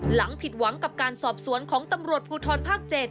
หลังผิดหวังกับการสอบสวนของตำรวจภูทรภาค๗